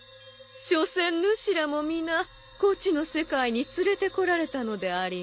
しょせんぬしらも皆こちの世界に連れてこられたのでありんしょう？